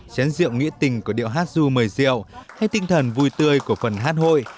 chén rượu nghĩa tình của điệu hát ru mời rượu hay tinh thần vui tươi của phần hát hội